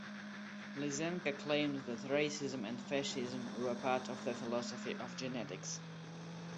Lysenko claimed that racism and fascism were part of the philosophy of genetics.